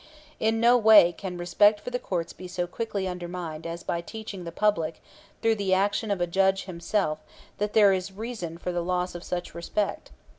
In no way can respect for the courts be so quickly undermined as by teaching the public through the action of a judge himself that there is reason for the loss of such respect.